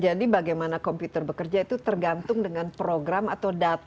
jadi bagaimana komputer bekerja itu tergantung dengan program atau data